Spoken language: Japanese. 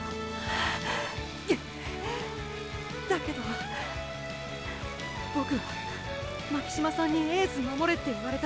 だけどボクは巻島さんにエース守れって言われた。